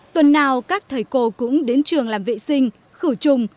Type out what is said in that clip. tuần nào các thầy cô cũng đến trường làm vệ sinh khử trùng